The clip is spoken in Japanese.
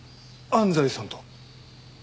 安西さんと？